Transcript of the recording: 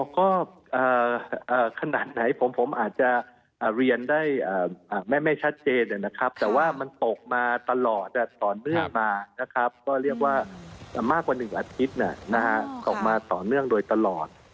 ก็ขนาดไหนผมอาจจะเรียนได้ไม่ชัดเจนนะครับแต่ว่ามันตกมาตลอดต่อเนื่องมานะครับก็เรียกว่ามากกว่า๑อาทิตย์ออกมาต่อเนื่องโดยตลอด